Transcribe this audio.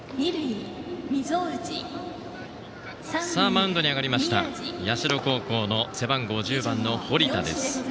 マウンドに上がりました社高校の背番号１０番、堀田です。